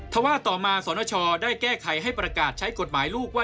ถ้าว่าต่อมาสนชได้แก้ไขให้ประกาศใช้กฎหมายลูกว่า